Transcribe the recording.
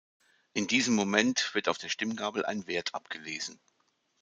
In diesem Moment wird auf der Stimmgabel ein Wert abgelesen.